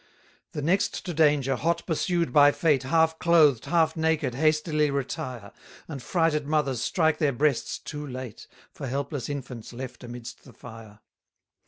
226 The next to danger, hot pursued by fate, Half clothed, half naked, hastily retire: And frighted mothers strike their breasts too late, For helpless infants left amidst the fire.